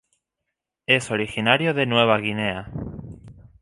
Es originario de Nueva Guinea.